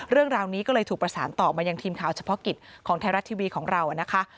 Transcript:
เรื่องราวนี้ก็เลยถูกประสานต่อมายังทีมข่าวเฉพาะกิจของไทยรัฐทีวีของเรานะคะ